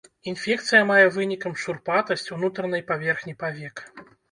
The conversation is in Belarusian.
Інфекцыя мае вынікам шурпатасць унутранай паверхні павек.